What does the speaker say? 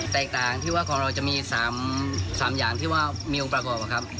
แตกต่างที่ว่าของเราจะมี๓อย่างที่ว่ามีองค์ประกอบครับ